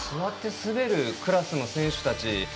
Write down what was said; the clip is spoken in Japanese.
座って滑るクラスの選手たち